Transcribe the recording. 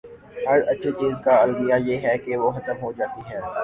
ہر اچھی چیز کا المیہ یہ ہے کہ وہ ختم ہو جاتی ہے۔